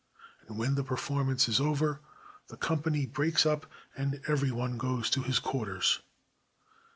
And when the performance is over, the company breaks up and every one goes to his quarters.